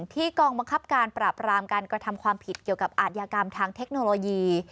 กองบังคับการปราบรามการกระทำความผิดเกี่ยวกับอาทยากรรมทางเทคโนโลยี